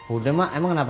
udah emak emang kenapa